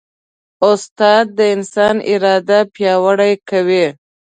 استاد د انسان اراده پیاوړې کوي.